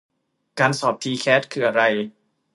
การสอบทีแคสคืออะไร